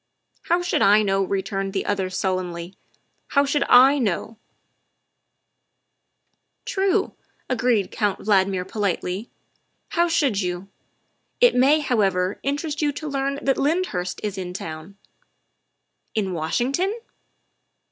" How should I know?" returned the other sullenly. " How should /know?" '' True, '' agreed Count Valdmir politely, '' how should you ? It may, however, interest you to learn that Lynd hurst is in town. ''" In Washington?"